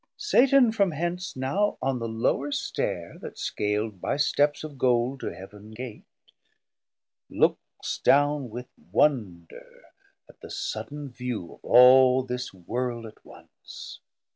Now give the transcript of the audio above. Satan from hence now on the lower stair 540 That scal'd by steps of Gold to Heav'n Gate Looks down with wonder at the sudden view Of all this World at once.